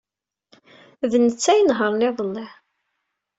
D netta ay inehṛen iḍelli.